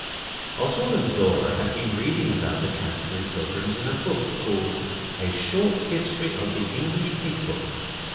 Oswald and Dora had been reading about the Canterbury Pilgrims in a book called A Short History of the English People.